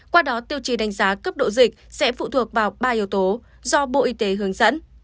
qua đó tiêu chí đánh giá cấp độ dịch sẽ phụ thuộc vào ba yếu tố do bộ y tế hướng dẫn